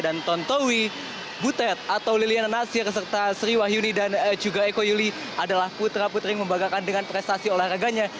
dan tantowi butet atau liliana nadsir serta sri wahyuni dan juga eko yuli adalah putra putri yang membanggakan dengan prestasi olahraganya